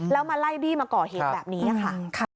แล้วมาไล่บี้มาก่อเหตุแบบนี้ค่ะ